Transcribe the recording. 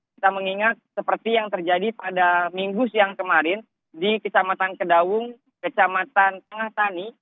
kita mengingat seperti yang terjadi pada minggu siang kemarin di kecamatan kedaung kecamatan tengah sani